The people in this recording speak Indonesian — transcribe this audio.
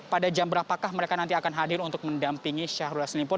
pada jam berapakah mereka nanti akan hadir untuk mendampingi syahrul yassin limpo